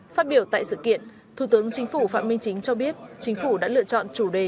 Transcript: phát biểu tại sự kiện thủ tướng chính phủ phạm minh chính cho biết chính phủ đã lựa chọn chủ đề